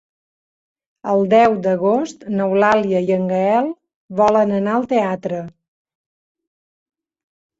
El deu d'agost n'Eulàlia i en Gaël volen anar al teatre.